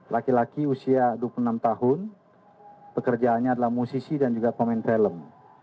laki laki usia dua puluh enam tahun pekerjaannya adalah musisi dan juga pemain film